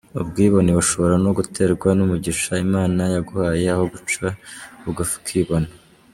Ubwibone bushobora no guterwa n’umugisha Imana yaguhaye aho guca bugufi ukibona.